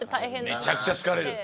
めちゃくちゃ疲れる。